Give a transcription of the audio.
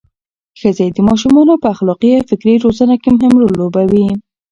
ښځې د ماشومانو په اخلاقي او فکري روزنه کې مهم رول لوبوي.